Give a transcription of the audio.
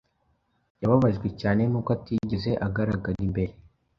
yababajwe cyane nuko atigeze agaragara imbere